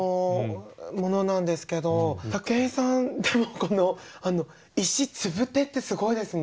武井さんのこの「石飛礫」ってすごいですね。